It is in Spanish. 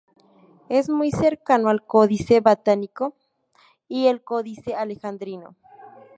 Es muy cercano al Códice Vaticano y al Códice Alejandrino.